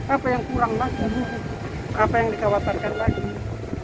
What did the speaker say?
apa yang kurang lagi apa yang dikhawatirkan lagi